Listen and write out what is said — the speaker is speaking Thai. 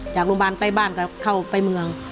จากโรงพยาบาลใกล้บ้านก็เข้าไปเมือง